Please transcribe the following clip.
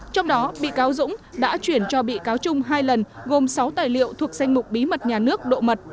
trong đó bị cáo dũng đã chuyển cho bị cáo trung hai lần gồm sáu tài liệu thuộc danh mục bí mật nhà nước độ mật